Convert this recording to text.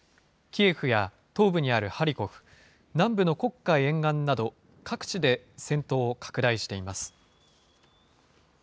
キエフや東部にあるハリコフ、南部の黒海沿岸など、各地で戦闘を拡大しています。